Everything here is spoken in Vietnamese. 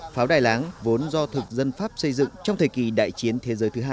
pháo đài láng vốn do thực dân pháp xây dựng trong thời kỳ đại chiến thế giới thứ hai